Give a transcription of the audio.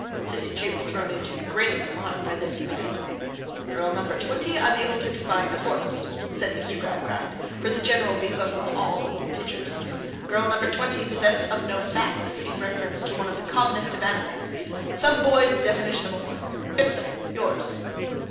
(Sissy Jupe thrown into the greatest alarm by this demand.) 'Girl number twenty unable to define a horse!' said Mr. Gradgrind, for the general behoof of all the little pitchers. 'Girl number twenty possessed of no facts, in reference to one of the commonest of animals! Some boy's definition of a horse. Bitzer, yours.